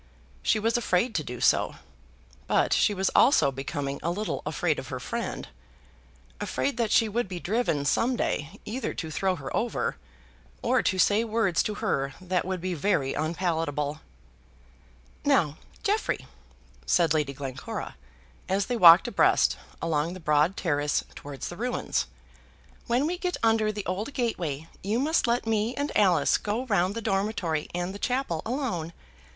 She was afraid to do so. But she was also becoming a little afraid of her friend, afraid that she would be driven some day either to throw her over, or to say words to her that would be very unpalatable. "Now, Jeffrey," said Lady Glencora as they walked abreast along the broad terrace towards the ruins, "when we get under the old gateway you must let me and Alice go round the dormitory and the chapel alone.